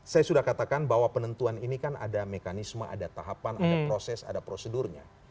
saya sudah katakan bahwa penentuan ini kan ada mekanisme ada tahapan ada proses ada prosedurnya